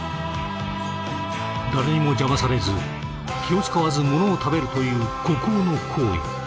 誰にも邪魔されず気を遣わずものを食べるという孤高の行為。